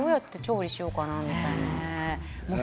どうやって調理しようかなと。